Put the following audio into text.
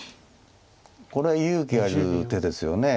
これは勇気ある手ですよね。